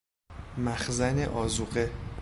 مخزن آذوقه